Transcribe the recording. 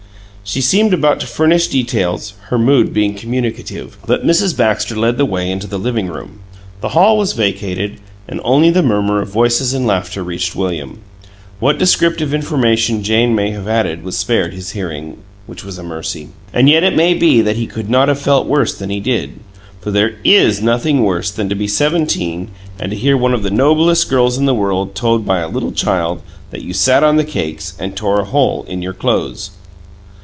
She seemed about to furnish details, her mood being communicative, but Mrs. Baxter led the way into the "living room"; the hall was vacated, and only the murmur of voices and laughter reached William. What descriptive information Jane may have added was spared his hearing, which was a mercy. And yet it may be that he could not have felt worse than he did; for there IS nothing worse than to be seventeen and to hear one of the Noblest girls in the world told by a little child that you sat on the cakes and tore a hole in your clo'es.